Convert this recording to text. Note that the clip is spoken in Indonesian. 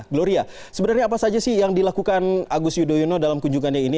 gloria sebenarnya apa saja sih yang dilakukan agus yudhoyono dalam kunjungannya ini